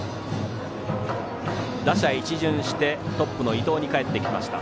打者一巡してトップの伊藤にかえってきました。